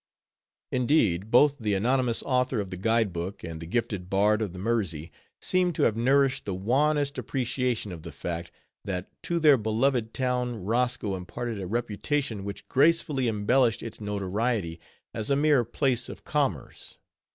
_ Indeed, both the anonymous author of the Guide Book, and the gifted bard of the Mersey, seem to have nourished the warmest appreciation of the fact, that to their beloved town Roscoe imparted a reputation which gracefully embellished its notoriety as a mere place of commerce.